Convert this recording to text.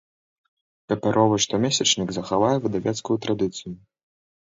Папяровы штомесячнік захавае выдавецкую традыцыю.